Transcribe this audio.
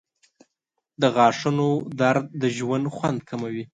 • د غاښونو درد د ژوند خوند کموي.